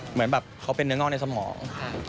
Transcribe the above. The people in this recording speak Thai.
เหมือนแบบเขาเป็นเนื้องอกในสมอง